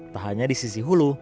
tak hanya di sisi hulu